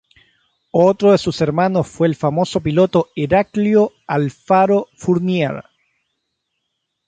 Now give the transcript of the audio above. Otro de sus hermanos fue el famoso piloto Heraclio Alfaro Fournier.